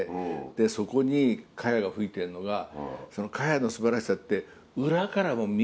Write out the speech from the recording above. そこに茅がふいているのがその茅の素晴らしさって裏からも見えてる。